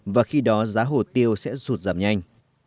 và khi đó giá hồ tiêu sẽ sụt giảm nhanh